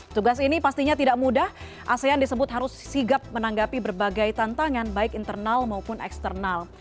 tugas ini pastinya tidak mudah asean disebut harus sigap menanggapi berbagai tantangan baik internal maupun eksternal